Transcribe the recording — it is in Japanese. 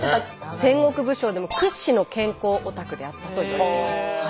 戦国武将でも屈指の健康オタクであったといわれています。